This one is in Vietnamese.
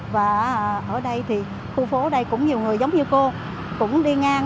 và ở đây thì khu phố đây cũng nhiều người giống như cô cũng đi ngang